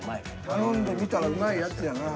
頼んでみたらうまいやつやな。